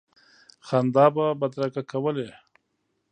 خندا به بدرګه کولې.